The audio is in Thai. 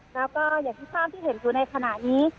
แล้วก็อย่างที่ภาพที่เห็นอยู่ในขณะนี้